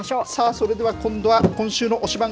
それでは今度は、今週の推しバン！